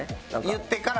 言ってから。